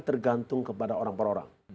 tergantung kepada orang orang